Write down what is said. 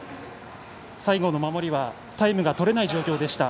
最後の守りはタイムがとれない状況でした。